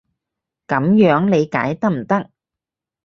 噉樣理解得唔得？